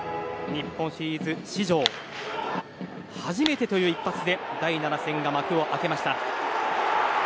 日本シリーズ史上初めてという一発で第７戦が幕を開けました。